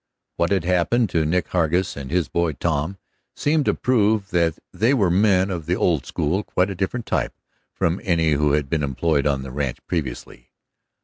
What had happened to Nick Hargus and his boy, Tom, seemed to prove that they were men of the old school, quite a different type from any who had been employed on that ranch previously.